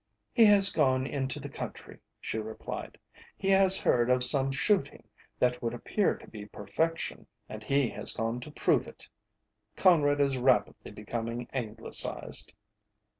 "He has gone into the country," she replied. "He has heard of some shooting that would appear to be perfection, and he has gone to prove it. Conrad is rapidly becoming Anglicized."